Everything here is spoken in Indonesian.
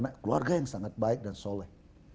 anak keluarga yang sangat baik dan soleh